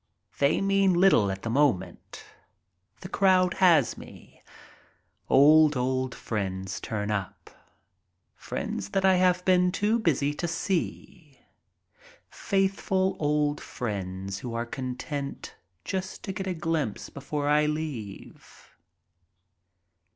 They mean little at the moment. The crowd has me. Old, old friends turn up, friends that I have been too busy to see. Faithful old friends who are content just to get a glimpse before I leave.